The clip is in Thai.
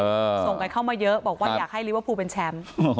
ส่งกันเข้ามาเยอะบอกว่าอยากให้ลิเวอร์พูลเป็นแชมป์